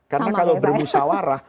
karena kalau bermusyawarah